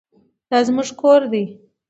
دا زموږ کور دی.